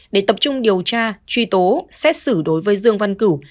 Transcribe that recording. để tập trung điều tra truy tố xét xử đối với dương văn cửu